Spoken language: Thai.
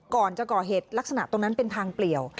ก่อนจะก่อเหตุลักษณะตรงนั้นเป็นทางเปลี่ยว